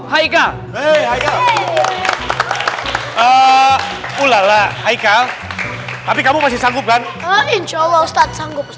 hai ga eh ulala hai kau tapi kamu masih sanggup kan insya allah ustadz sanggup